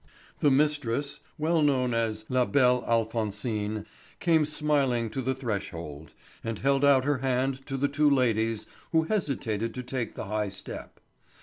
The mistress, well known as "La belle Alphonsine," came smiling to the threshold, and held out her hand to the two ladies who hesitated to take the high step.